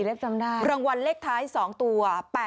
รางวัลเลขท้าย๒ตัว